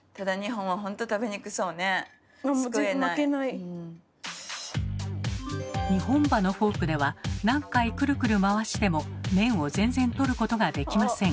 ２本歯のフォークでは何回クルクル回しても麺を全然取ることができません。